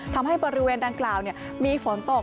ทำให้บริเวณดังกล่าวมีฝนตก